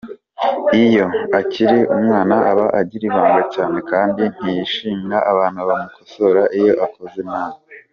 Iyo akiri umwana aba agira ibanga cyane kandi ntiyishimira abantu bamukosora iyo akoze nabi.